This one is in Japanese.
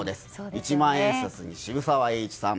一万円札に渋沢栄一さん